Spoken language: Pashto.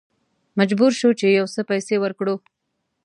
مجبور شوو چې یو څه پیسې ورکړو.